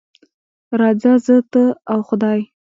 راځه زه، ته او خدای.